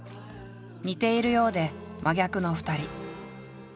似ているようで真逆の２人。